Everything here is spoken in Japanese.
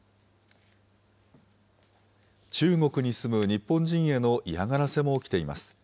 中国に住む日本人への嫌がらせも起きています。